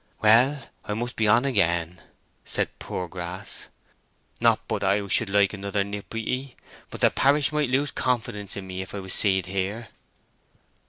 "Well, I must be on again," said Poorgrass. "Not but that I should like another nip with ye; but the parish might lose confidence in me if I was seed here."